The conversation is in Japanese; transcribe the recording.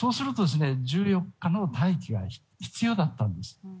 そうすると１４日の待機は必要だったんです。